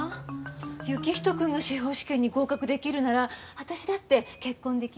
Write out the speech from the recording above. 行人君が司法試験に合格出来るなら私だって結婚出来るかも。